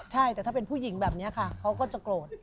ใช่แต่ถ้าเป็นผู้หญิงแบบนี้ค่ะเขาก็จะโกรธ